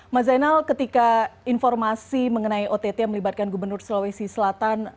mas zainal ketika informasi mengenai ott yang melibatkan gubernur sulawesi selatan